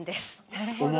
なるほど。